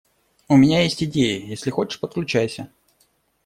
У меня есть идеи, если хочешь - подключайся.